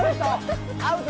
アウト！